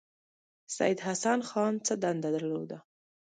سید حسن خان څه دنده درلوده.